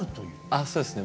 あっそうですね。